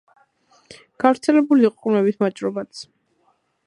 გავრცელებული იყო ყმებით ვაჭრობაც.